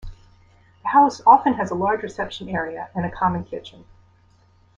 The house often has a large reception area and a common kitchen.